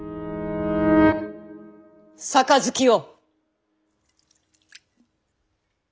杯を！